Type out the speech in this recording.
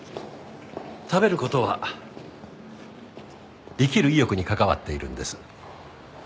食べる事は生きる意欲に関わっているんです。